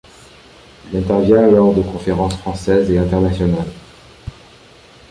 Il intervient lors de conférences françaises et internationales.